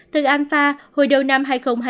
từ alpha hồi đầu năm hai nghìn hai mươi một